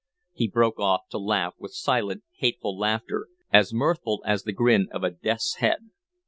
He broke off to laugh with silent, hateful laughter, as mirthful as the grin of a death's head.